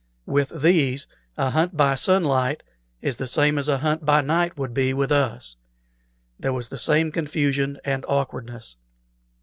With these a hunt by sunlight is the same as a hunt by night would be with us. There was the same confusion and awkwardness.